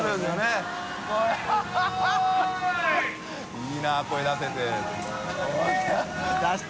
いいな声出せて」って。